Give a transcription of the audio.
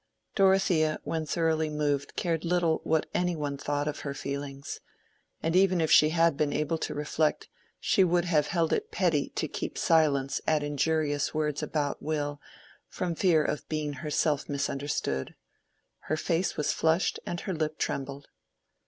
Dorothea when thoroughly moved cared little what any one thought of her feelings; and even if she had been able to reflect, she would have held it petty to keep silence at injurious words about Will from fear of being herself misunderstood. Her face was flushed and her lip trembled.